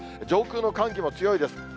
上空の寒気も強いです。